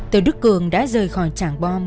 từ đức cường đã rời khỏi tràng bom